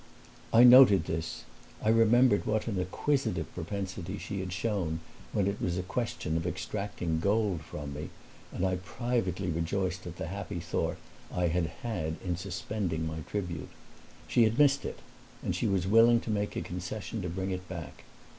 I noted this; I remembered what an acquisitive propensity she had shown when it was a question of extracting gold from me, and I privately rejoiced at the happy thought I had had in suspending my tribute. She had missed it and she was willing to make a concession to bring it back.